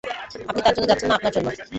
আপনি তার জন্য যাচ্ছেন না আপনার জন্য?